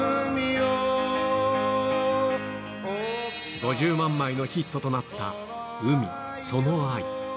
５０万枚のヒットとなった、海その愛。